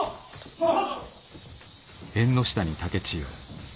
はっ！